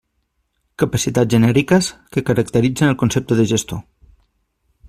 Capacitats genèriques que caracteritzen el concepte de gestor.